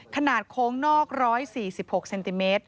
ขนาดโค้งนอก๑๔๖ซม